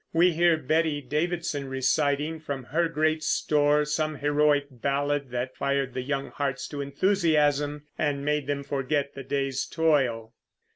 We hear Betty Davidson reciting, from her great store, some heroic ballad that fired the young hearts to enthusiasm and made them forget the day's toil.